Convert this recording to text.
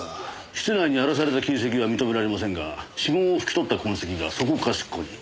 室内に荒らされた形跡は認められませんが指紋を拭き取った痕跡がそこかしこに。